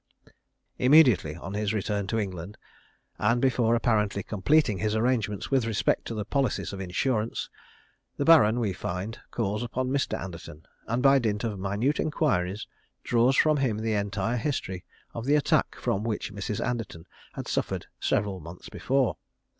Immediately on his return to England, and before apparently completing his arrangements with respect to the policies of insurance, the Baron, we find, calls upon Mr. Anderton, and by dint of minute inquiries draws from him the entire history of the attack from which Mrs. Anderton had suffered several months before.